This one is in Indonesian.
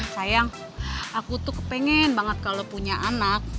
sayang aku tuh kepengen banget kalau punya anak